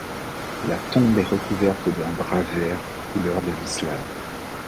La tombe est recouverte d’un drap vert couleur de l’islam.